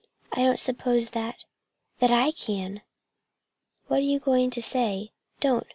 I don't suppose that that I can!" "What are you going to say? Don't!